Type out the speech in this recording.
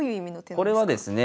これはですねえ